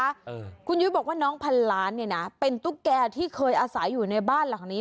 เออคุณยุ้ยบอกว่าน้องพันล้านเนี่ยนะเป็นตุ๊กแกที่เคยอาศัยอยู่ในบ้านหลังนี้